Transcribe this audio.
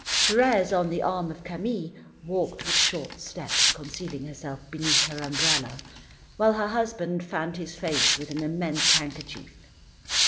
Thérèse, on the arm of Camille, walked with short steps, concealing herself beneath her umbrella, while her husband fanned his face with an immense handkerchief.